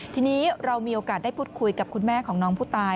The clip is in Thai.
ทีนี้เรามีโอกาสได้พูดคุยกับคุณแม่ของน้องผู้ตาย